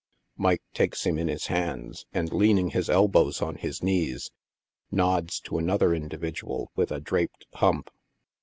Mike takes him in his hands, and leaning his elbows on his knees, nods to another individual with a draped hump.